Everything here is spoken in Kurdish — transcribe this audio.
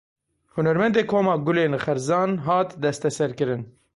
Hunermendê Koma Gulên Xerzan hat destserkirin.